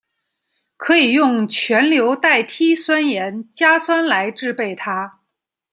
可以用全硫代锑酸盐加酸来制备它。